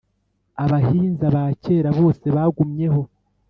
abahinza ba cyera bose bagumyeho